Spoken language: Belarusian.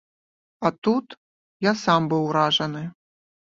А тут я сам быў уражаны!